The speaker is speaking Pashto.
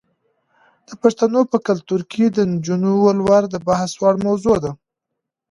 د پښتنو په کلتور کې د نجونو ولور د بحث وړ موضوع ده.